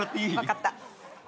分かった。